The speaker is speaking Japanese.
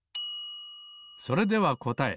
それではこたえ。